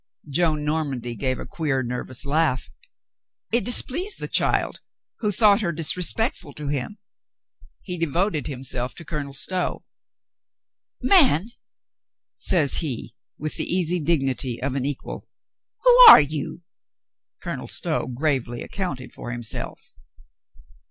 Joan Normandy gave a queer, nervous laugh. It displeased the child, who thought her disre spectful to him. He devoted himself to Colonel Stow. "Man," says he, with the easy dignity of an equal, "who are you?" Colonel Stow gravely accounted for himself.